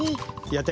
やって。